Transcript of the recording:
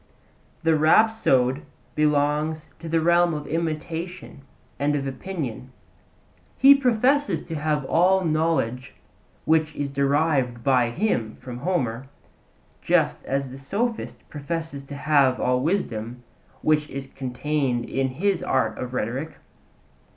The rhapsode belongs to the realm of imitation and of opinion: he professes to have all knowledge, which is derived by him from Homer, just as the sophist professes to have all wisdom, which is contained in his art of rhetoric.